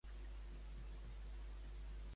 Àustria vol reparar la casa on va néixer Adolf Hitler.